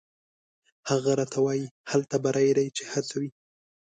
هغه راته وایي: «هلته بری دی چې هڅه وي».